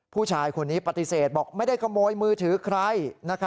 ผู้ชายคนนี้ปฏิเสธบอกไม่ได้ขโมยมือถือใคร